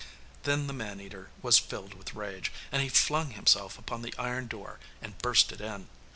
Then the man eater was filled with rage, and he flung himself upon the iron door and burst it in.